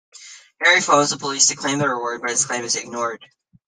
Harry phones the police to claim the reward, but his claim is ignored.